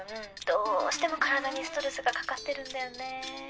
☎どうしても体にストレスがかかってるんだよね